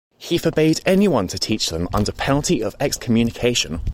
He forbade anyone to teach them under penalty of excommunication.